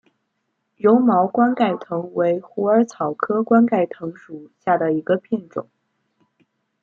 柔毛冠盖藤为虎耳草科冠盖藤属下的一个变种。